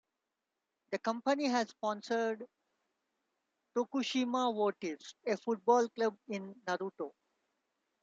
The company has sponsored Tokushima Vortis, a football club in Naruto.